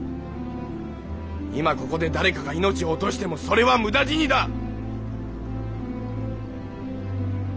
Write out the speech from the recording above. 今ここで誰かが命を落としてもそれは無駄死にだ！